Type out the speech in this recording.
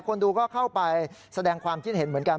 คนดูก็เข้าไปแสดงความคิดเห็นเหมือนกัน